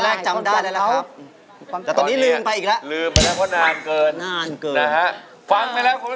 แบ่งกันทำไมล่ะ